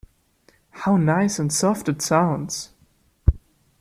How nice and soft it sounds!